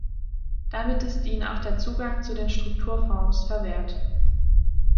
Damit ist ihnen auch der Zugang zu den Strukturfonds verwehrt.